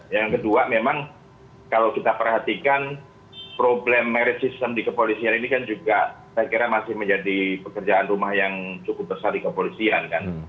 yang kedua memang kalau kita perhatikan problem merit system di kepolisian ini kan juga saya kira masih menjadi pekerjaan rumah yang cukup besar di kepolisian kan